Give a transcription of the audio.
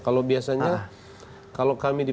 kalau biasanya kalau kami di